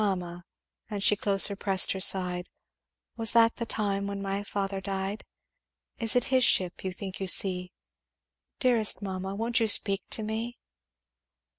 "'Mamma' and she closer pressed her side, 'Was that the time when my father died? Is it his ship you think you see? Dearest mamma won't you speak to me?'